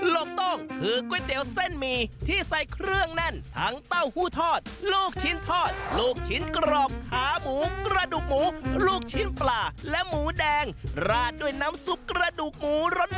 ลูกต้องคือก๋วยเตี๋ยวเส้นหมี่ที่ใส่เครื่องแน่นทั้งเต้าหู้ทอดลูกชิ้นทอดลูกชิ้นกรอบขาหมูกระดูกหมูลูกชิ้นปลาและหมูแดงราดด้วยน้ำซุปกระดูกหมูรส